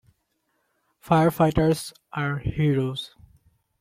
Firefighters are heroes.